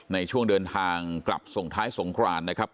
ในช่วงเดินทางกลับส่งท้ายสงครานนะครับ